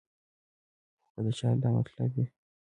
خو کۀ د چا دا مطلب وي